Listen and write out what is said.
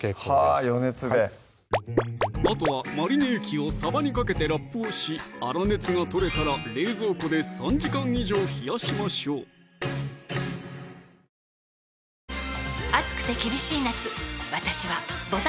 はぁ余熱であとはマリネ液をさばにかけてラップをし粗熱が取れたら冷蔵庫で３時間以上冷やしましょうでは「焼きサバのマリネ」